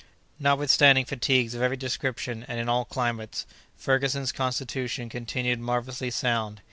Notwithstanding fatigues of every description, and in all climates, Ferguson's constitution continued marvellously sound.